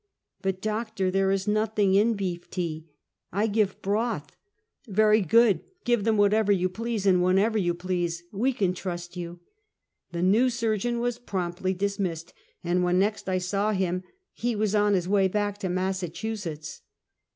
" But, Doctor, there is nothing in beef tea. I give broth." " Yery good, give them whatever you please and whenever you please — we can trust you." The new surgeon was promptly dismissed, and when next I saw him he was on his way back to Massachu setts.